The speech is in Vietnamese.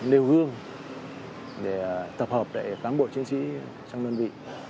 nêu gương để tập hợp để cám bộ chiến sĩ trong đơn vị